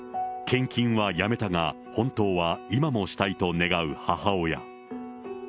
献金はやめたが、本当は今もしたいと願う母親。